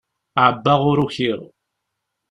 Ɛebbaɣ ur ukiɣ.